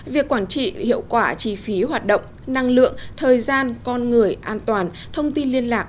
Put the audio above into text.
việc quản trị hiệu quả chi phí hoạt động năng lượng thời gian con người an toàn thông tin liên lạc